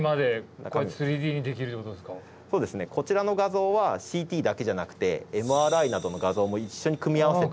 こちらの画像はＣＴだけじゃなくてＭＲＩなどの画像も一緒に組み合わせて。